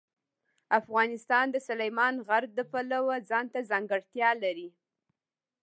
افغانستان د سلیمان غر د پلوه ځانته ځانګړتیا لري.